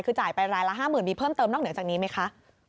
คือจ่ายไปรายละ๕๐๐๐มีเพิ่มเติมนอกเหนือจากนี้ไหมคะ